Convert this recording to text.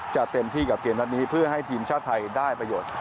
เต็มที่กับเกมนัดนี้เพื่อให้ทีมชาติไทยได้ประโยชน์